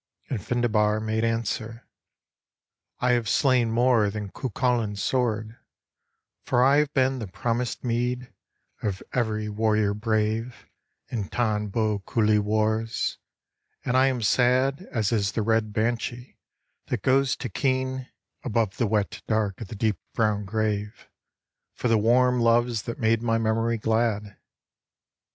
And Findebar made answer, " I have slain More than Cuculain's sword, for I have been The promised meed of every warrior brave In Tain Bo Cualigne wars, and I am sad As is the red banshee that goes to keen 115 Ii6 THE SORROW OF FINDEBAR Above the wet dark of the deep brown grave, For the warm loves that made my memory glad."